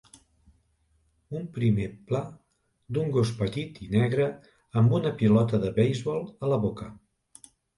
Un prime pla d'un gos petit i negre amb una pilota de beisbol a la boca.